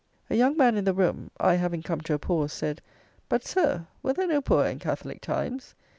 A young man in the room (I having come to a pause) said: "But, Sir, were there no poor in Catholic times?"